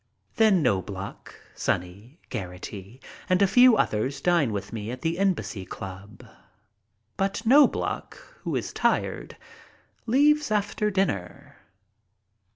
Then Knobloch, Sonny, Geraghty, and a few others dine with me at the Embassy Club, but Knobloch, who is tired, leaves after dinner.